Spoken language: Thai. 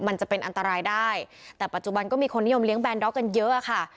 มันจะเป็นอันตรายได้แต่ปัจจุบันก็มีคนนิยมเลี้ยแนนด็อกกันเยอะค่ะ